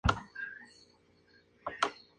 El Cuarto es parte de una estatua en el planeta Tara.